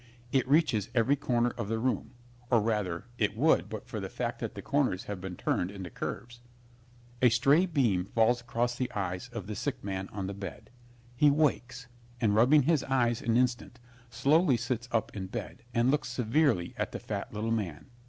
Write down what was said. It reaches every corner of the room, or rather it would but for the fact that the corners have been turned into curves. A stray beam falls across the eyes of the sick man on the bed. He wakes, and, rubbing his eyes an instant, slowly sits up in bed and looks severely at the fat little man.